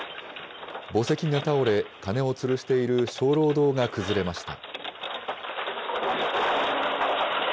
墓石が倒れ、鐘をつるしている鐘楼堂が崩れました。